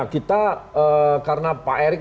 kita karena pak erick